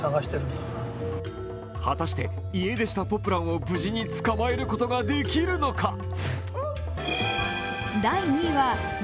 果たして家でしたポプランを無事に使えることができるのか。